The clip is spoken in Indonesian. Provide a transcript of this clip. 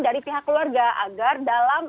dari pihak keluarga agar dalam